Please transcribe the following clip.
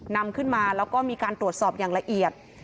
นำขึ้นมาแล้วก็มีการตรวจสอบอย่างละเอียด